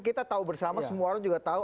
kita tahu bersama semua orang juga tahu